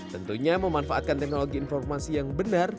tentunya memanfaatkan teknologi informasi yang benar